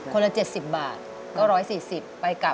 ละ๗๐บาทก็๑๔๐ไปกลับ